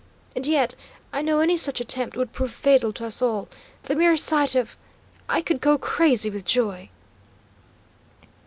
And yet I know any such attempt would prove fatal to us all. The mere sight of I would go crazy with joy!"